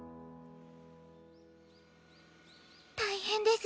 大変です。